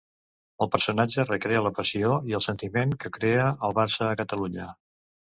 El personatge recreà la passió i el sentiment que crea el Barça a Catalunya.